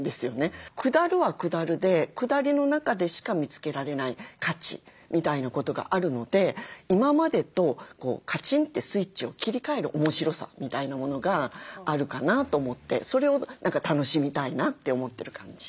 下るは下るで下りの中でしか見つけられない価値みたいなことがあるので今までとカチンってスイッチを切り替える面白さみたいなものがあるかなと思ってそれを楽しみたいなって思ってる感じ。